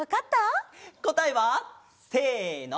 こたえはせの！